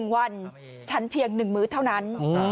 ๑วันฉันเพียง๑มื้อเท่านั้น